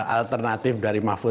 dan alternatif dari pbi itu adalah